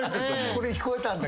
これ聞こえたんだ